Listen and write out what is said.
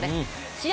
試合